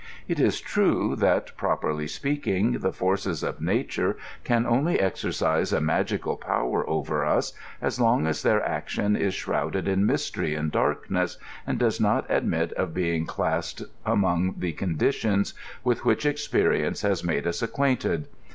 It is true that, properly speaking, the forces of nature can only exercise a magical power over us as long as their action is shrouded in mystery and darkness, and does not admit of be ing classed among the conditions with which experience has made us acquainted.